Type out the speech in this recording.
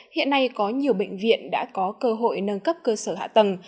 hiện nay có nhiều bệnh viện đã có cơ hội nâng cấp cơ sở hạ tầng